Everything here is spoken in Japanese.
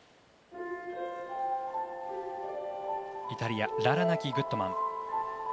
イタリアのララナキ・グットマン。